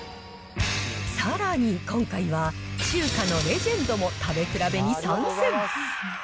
さらに、今回は中華のレジェンドも食べ比べに参戦。